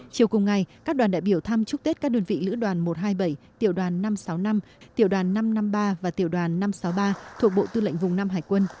chiều cùng ngày các đoàn đại biểu thăm chúc tết các đơn vị lữ đoàn một trăm hai mươi bảy tiểu đoàn năm trăm sáu mươi năm tiểu đoàn năm trăm năm mươi ba và tiểu đoàn năm trăm sáu mươi ba thuộc bộ tư lệnh vùng năm hải quân